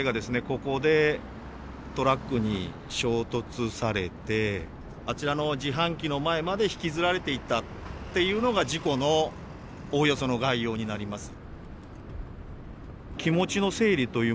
ここでトラックに衝突されてあちらの自販機の前まで引きずられていったっていうのが事故のおおよその概要になります。